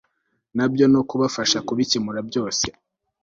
na byo no kubafasha kubikemura byose